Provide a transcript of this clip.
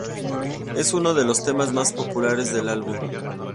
Es uno de los temas más populares del álbum.